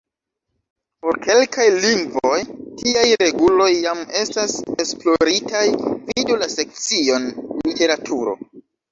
Por kelkaj lingvoj tiaj reguloj jam estas esploritaj, vidu la sekcion "literaturo".